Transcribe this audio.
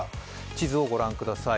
地図をご覧ください。